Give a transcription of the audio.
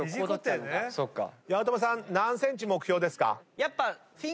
八乙女さん何ｃｍ目標ですか？